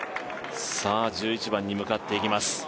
１１番に向かっていきます。